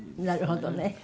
なるほどね。